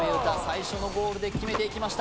最初のゴールで決めていきました